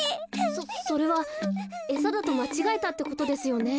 そそれはえさだとまちがえたってことですよね。